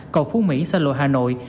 cầu phú mỹ xa lộ hà nội